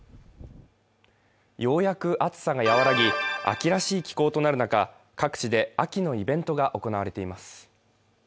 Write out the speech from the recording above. ようやく暑さが和らぎ秋らしい気候となる中、各地で秋のイベントが行われています。